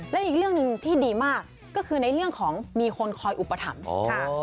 แล้วอีกเรื่องหนึ่งที่ดีมากก็คือในเรื่องของมีคนคอยอุปถัมภ์ค่ะ